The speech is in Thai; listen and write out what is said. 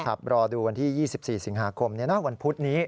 ครับรอดูวันที่๒๔สิงหาคมเนี่ยนะวันพุธนี้